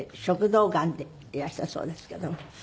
食道がんでいらしたそうですけども。